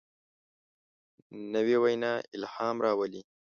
نوې وینا الهام راولي